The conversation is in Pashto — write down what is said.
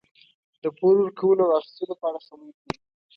د پور ورکولو او اخیستلو په اړه خبرې کوي.